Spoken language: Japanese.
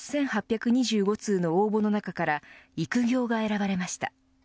通の応募の中から育業が選ばれました。